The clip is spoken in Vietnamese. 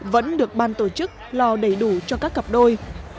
vẫn được ban tổ chức lò đầy đủ cho các cặp đôi